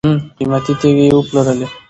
قیمتي تیږي یې وپلورلې.